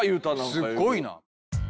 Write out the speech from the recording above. すごいな。